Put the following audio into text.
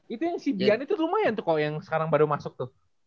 itu yang si bian itu lumayan kok yang sekarang baru masuk tuh